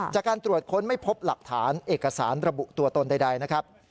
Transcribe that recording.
จากการตรวจค้นไม่พบหลักฐานเอกสารระบุตัวตนใดนะครับ